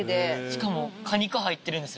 しかも。